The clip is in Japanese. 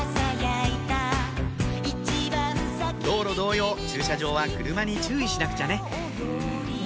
道路同様駐車場は車に注意しなくちゃね